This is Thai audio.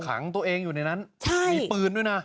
ขังตัวเองอยู่ในนั้นมีปืนด้วยนะ